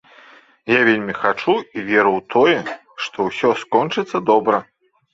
Я вельмі хачу і веру ў тое, што ўсё скончыцца добра.